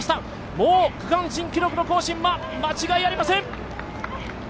もう区間新記録の更新は間違いありません。